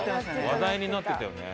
話題になってたよね。